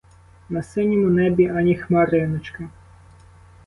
На синьому небі ані хмариночки.